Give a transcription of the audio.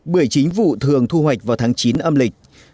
bưởi chính vụ thường thu hoạch vào tháng chín âm lịch